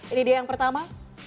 ini dia yang pertama